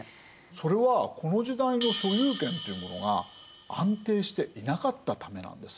それはこの時代の所有権っていうものが安定していなかったためなんです。